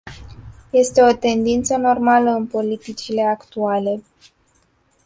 Este o tendință normală în politicile actuale.